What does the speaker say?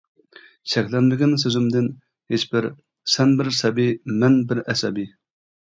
شەكلەنمىگىن سۆزۈمدىن ھېچبىر، سەن بىر سەبىي، مەن بىر ئەسەبىي.